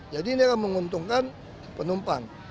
jadi ini akan menguntungkan penumpang